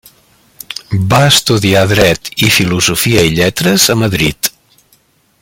Va estudiar dret i filosofia i lletres a Madrid.